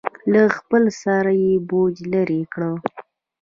له خپل سره یې بوج لرې کړ.